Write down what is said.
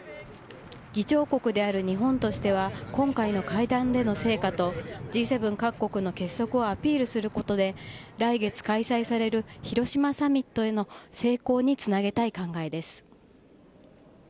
議長国である日本としては、今回の会談での成果と、Ｇ７各国の結束をアピールすることで、来月開催される広島サミットへの成功につなげたい考えです。